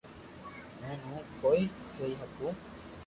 ھي ھون ڪوئي ڪئي ھگو